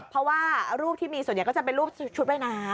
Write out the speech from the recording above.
เพราะว่ารูปที่มีส่วนใหญ่ก็จะเป็นรูปชุดว่ายน้ำ